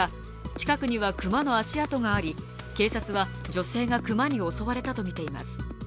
近くには熊の足跡があり警察は女性が熊に襲われたとみています。